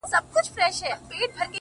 سترگي چي پټي كړي باڼه يې سره ورسي داسـي؛